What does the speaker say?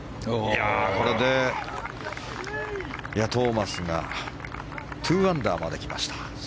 これでトーマスが２アンダーまで来ました。